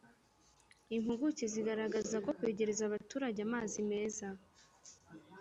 Impuguke zigaragaza ko kwegereza abaturage amazi meza